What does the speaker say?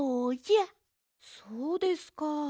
そうですか。